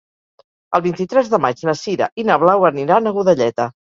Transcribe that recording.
El vint-i-tres de maig na Sira i na Blau aniran a Godelleta.